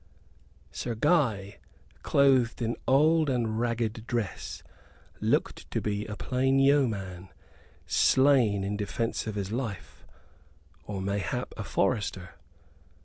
Sir Guy, clothed in old and ragged dress, looked to be a plain yeoman, slain in defence of his life, or mayhap a forester.